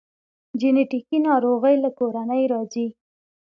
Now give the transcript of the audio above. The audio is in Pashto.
جنیټیکي ناروغۍ له کورنۍ راځي